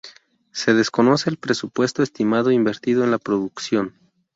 Se desconoce el presupuesto estimado invertido en la producción.